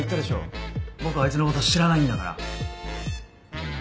僕はあいつの事知らないんだから。